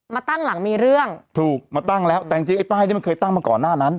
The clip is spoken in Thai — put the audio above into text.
มาตั้งหลังมีเรื่องถูกมาตั้งแล้วแต่จริงจริงไอ้ป้ายที่มันเคยตั้งมาก่อนหน้านั้น